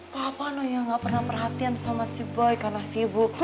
papa noya gak pernah perhatian sama si boy karena sibuk